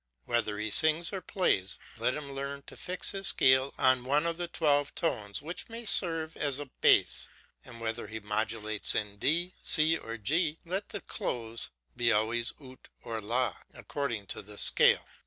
Whether he sings or plays, let him learn to fix his scale on one of the twelve tones which may serve as a base, and whether he modulates in D, C, or G, let the close be always Ut or La, according to the scale.